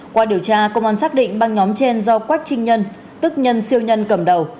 qua điều tra công an xác định băng nhóm trên do quách trinh nhân tức nhân siêu nhân cầm đầu